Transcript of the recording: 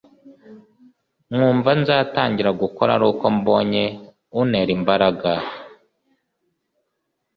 nkumva nzatangira gukora aruko mbonye unera imbaraga